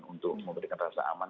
untuk memberikan rasa aman